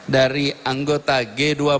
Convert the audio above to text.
dari anggota g dua puluh